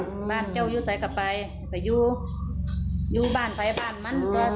เอาไปยังบ้านเจ้าอยู่ใส่กลับไปแต่อยู่อยู่บ้านไปบ้านมันก็จะ